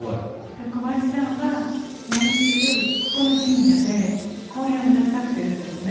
で小林さんは毎週ここの神社で公演をなさってるんですね。